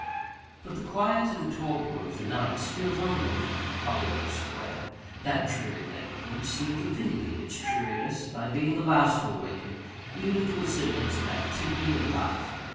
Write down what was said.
But the quiet and torpor of the night still hung over Hollyoake Square. That dreary neighbourhood seemed to vindicate its dreariness by being the last to awaken even to a semblance of activity and life.